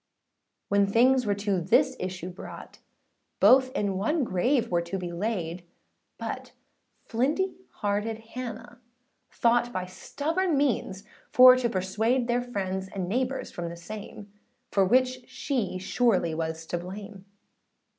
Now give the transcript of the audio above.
When things were to this issue brought, Both in one grave were to be laid: But flinty hearted Hannah thought, By stubborn means for to persuade, Their friends and neighbours from the same, For which she surely was to blame.